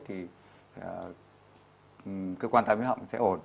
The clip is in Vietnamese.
thì cơ quan tai mũi họng sẽ ổn